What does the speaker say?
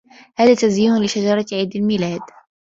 هذا تزيين لشجرة عيد الميلاد.